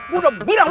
gua udah bilang